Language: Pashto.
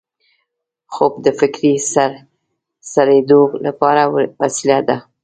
خوب د فکري سړېدو لپاره وسیله ده